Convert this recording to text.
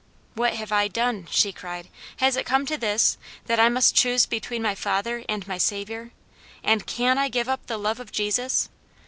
"What have I done?" she cried. "Has it come to this, that I must choose between my father and my Saviour? and can I give up the love of Jesus?